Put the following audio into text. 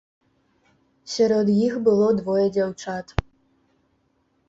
Сярод іх было двое дзяўчат.